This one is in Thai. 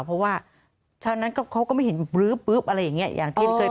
เพราะว่าเช้านั้นก็เขาก็ไม่เห็นอะไรอย่างนี้อย่างที่เคย